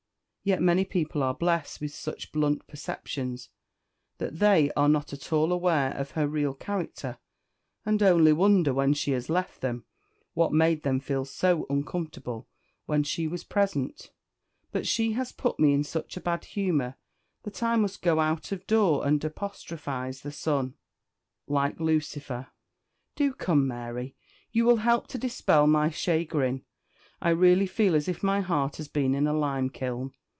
Yet many people are blessed with such blunt perceptions that they are not at all aware of her real character, and only wonder, when she has left them, what made them feel so uncomfortable when she was present. But she has put me in such a bad humour that I must go out of door and apostrophise the sun, like Lucifer. Do come, Mary, you will help to dispel my chagrin. I really feel as if my heart had been in a limekiln.